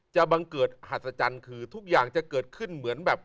บังเกิดหัศจรรย์คือทุกอย่างจะเกิดขึ้นเหมือนแบบ